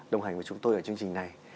đồng hành với chúng tôi ở chương trình này